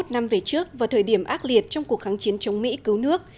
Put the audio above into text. năm mươi một năm về trước vào thời điểm ác liệt trong cuộc kháng chiến chống mỹ cứu nước